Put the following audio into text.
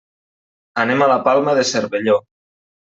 Anem a la Palma de Cervelló.